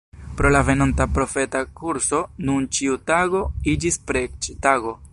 Pro la venonta profeta kurso nun ĉiu tago iĝis preĝtago.